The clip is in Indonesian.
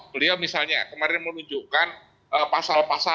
beliau misalnya kemarin menunjukkan pasal pasal